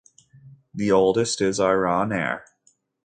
The oldest is Iran Air.